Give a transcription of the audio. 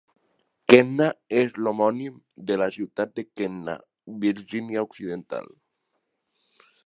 Kenna és l'homònim de la ciutat de Kenna, Virginia Occidental.